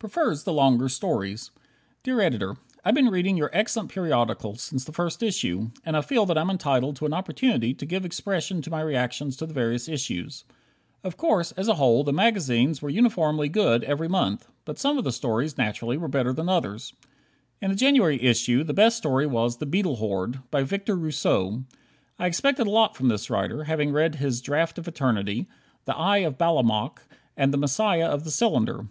Prefers the Longer Stories Dear Editor: I've been reading your excellent periodical since the first issue, and I feel that I'm entitled to an opportunity to give expression to my reactions to the various issues. Of course, as a whole, the magazines were uniformly good every month, but some of the stories, naturally, were better than others. In the January issue the best story was "The Beetle Horde" by Victor Rousseau. I expected a lot from this writer, having read his "Draft of Eternity," "The Eye of Balamok" and "The Messiah of the Cylinder."